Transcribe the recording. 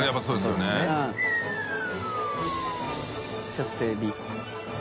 ちょっとエビ。